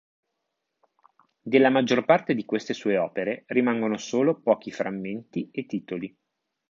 Della maggior parte di queste sue opere rimangono solo pochi frammenti e titoli.